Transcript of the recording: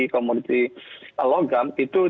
komoditi logam itu cenderung